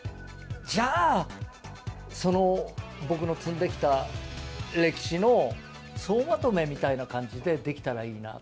じゃあ、その僕の積んできた歴史の総まとめみたいな感じでできたらいいな。